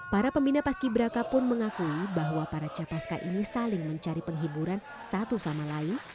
para pembina paski braka pun mengakui bahwa para capaska ini saling mencari penghiburan satu sama lain